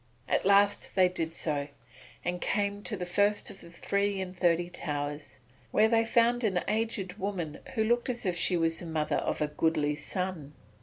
At last they did so, and came to the first of the three and thirty towers, where they found an aged woman who looked as if she was the mother of a goodly son.